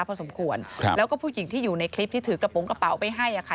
พอสมควรครับแล้วก็ผู้หญิงที่อยู่ในคลิปที่ถือกระโปรงกระเป๋าไปให้อ่ะค่ะ